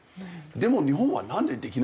でも日本はなんでできないのか。